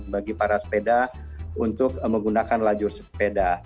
bagi para sepeda untuk menggunakan lajur sepeda